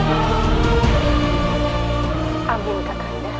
amin kak randa